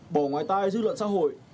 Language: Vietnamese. bở ngoài tay dư luận xã hội